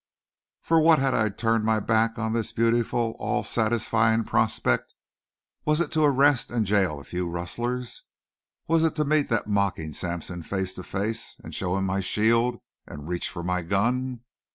For what had I turned my back on this beautiful, all satisfying prospect? Was it to arrest and jail a few rustlers? Was it to meet that mocking Sampson face to face and show him my shield and reach for my gun?